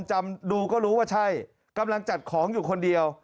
จำดูก็รู้ว่าใช่กำลังจัดของอยู่คนเดียว